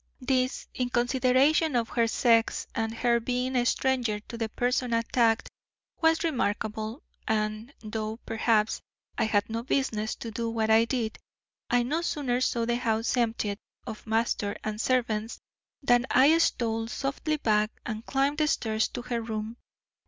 This, in consideration of her sex, and her being a stranger to the person attacked, was remarkable, and, though perhaps I had no business to do what I did, I no sooner saw the house emptied of master and servants than I stole softly back, and climbed the stairs to her room.